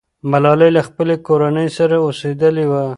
ملالۍ له خپلې کورنۍ سره اوسېدلې وه.